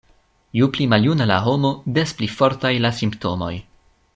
Ju pli maljuna la homo, des pli fortaj la simptomoj.